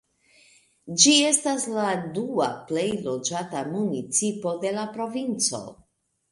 Ĝi estas la dua plej loĝata municipo de la provinco.